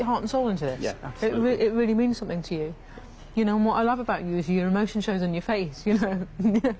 そうだね。